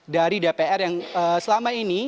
dari dpr yang selama ini